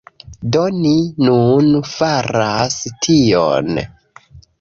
Do, ni nun faras tion